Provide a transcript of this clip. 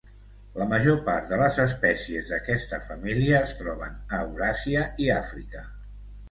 La major part de les espècies d'aquesta família es troben a Euràsia i Àfrica.